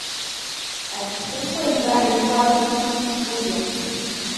Aquí se encuentra el Faro Fort Williams.